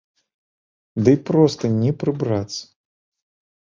Дый проста не прыбрацца.